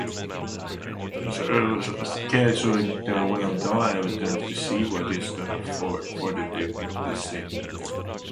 The current approach of countries to addressing global issues is flawed.